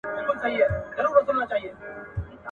موږ د شین سترګي تعویذګر او پیر بابا په هیله !.